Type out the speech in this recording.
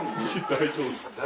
大丈夫ですか？